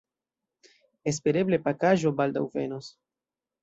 Espereble pakaĵo baldaŭ venos.